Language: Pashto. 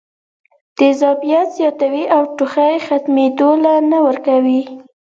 تېزابيت زياتوي او ټوخی ختمېدو له نۀ ورکوي